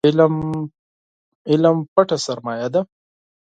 علم پټه سرمايه ده